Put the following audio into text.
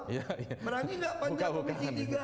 ya ya ya merani enggak panjang komisi tiga